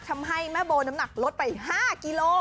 ทำให้แม่โบน้ำหนักลดไป๕กิโล